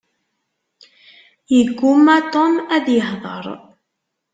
Yegguma Tom ad yeheder.